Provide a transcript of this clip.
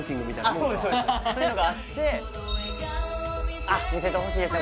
そうですそういうのがあってあっ見せてほしいですね